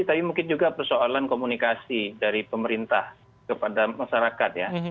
tapi mungkin juga persoalan komunikasi dari pemerintah kepada masyarakat ya